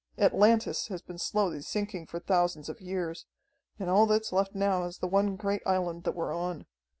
Atlantis has been slowly sinking for thousands of years, and all that's left now is the one great island that we're on.